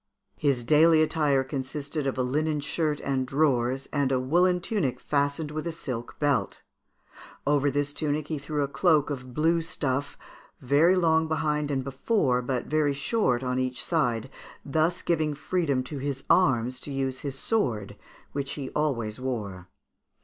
His daily attire consisted of a linen shirt and drawers, and a woollen tunic fastened with a silk belt. Over this tunic he threw a cloak of blue stuff, very long behind and before, but very short on each side, thus giving freedom to his arms to use his sword, which he always wore.